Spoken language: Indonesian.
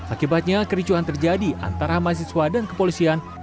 akibatnya kericuhan terjadi antara mahasiswa dan kepolisian